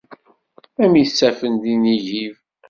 Am yisaffen di Nigib.